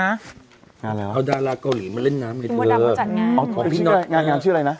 งานอะไรวะเอาดาราเกาหลีมาเล่นน้ำให้เธอจากงานอ๋อของพี่น็อตงานงานชื่ออะไรน่ะ